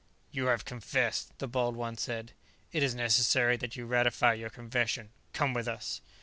"You have confessed," the bald one said. "It is necessary that you ratify your confession. Come with us."